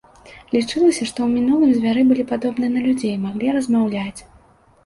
Лічылася, што ў мінулым звяры былі падобнымі на людзей, маглі размаўляць.